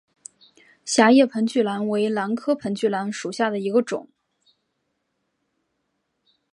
狭叶盆距兰为兰科盆距兰属下的一个种。